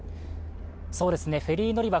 フェリー乗り場